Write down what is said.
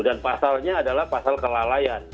dan pasalnya adalah pasal kelalaian